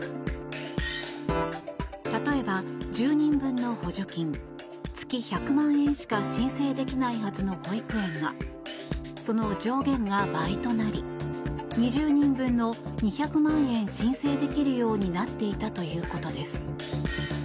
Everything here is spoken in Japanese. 例えば１０人分の補助金月１００万円しか申請できないはずの保育園がその上限が倍となり２０人分の２００万円申請できるようになっていたということです。